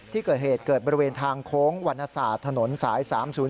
ที่เกิดเหตุเกิดบริเวณทางโค้งวรรณศาสตร์ถนนสาย๓๐๔